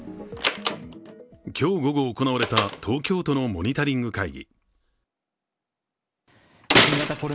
今日午後行われた東京都のモニタリング会議。